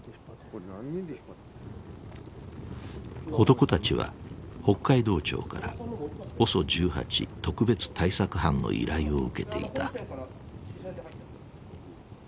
男たちは北海道庁からＯＳＯ１８特別対策班の依頼を受けていた。